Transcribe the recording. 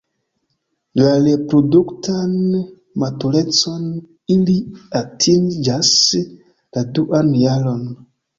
La reproduktan maturecon ili atingas la duan jaron.